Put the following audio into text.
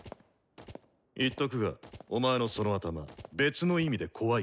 言っとくがお前のその頭別の意味で怖いからな。